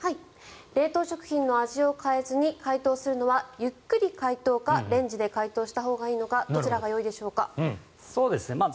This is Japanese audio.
冷凍食品の味を変えずに解凍するのはゆっくり解凍かレンジで解凍したほうがいいのかどちらがよいでしょうか。